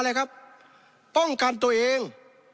อะไรครับป้องกันตัวเอง